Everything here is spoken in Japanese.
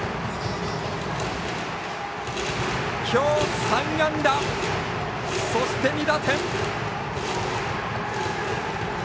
今日３安打、そして２打点！